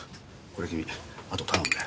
これ君あと頼むね。